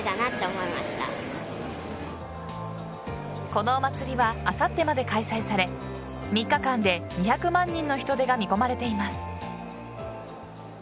このお祭りはあさってまで開催され３日間で２００万人の人出が見込まれています。